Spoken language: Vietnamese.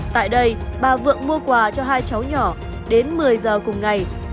tại đây ba vượng mua quà cho hai cháu nhỏ đến một mươi h cùng ngày